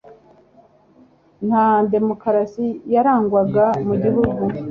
Nta demukarasi yarangwaga mu gihugu